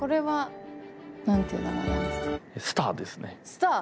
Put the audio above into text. スター！